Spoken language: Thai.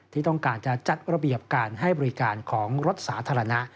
ที่ต้องการจะจัดระเบียบการให้บริการของรถสาธารณะ